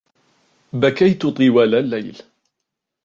بكيتُ طوال الليل.